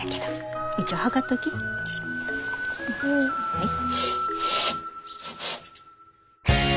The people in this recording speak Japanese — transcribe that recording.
はい。